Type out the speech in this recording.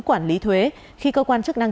quản lý thuế khi cơ quan chức năng